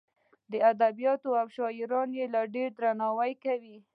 د ادبیاتو او شاعرانو یې ډېر درناوی کاوه.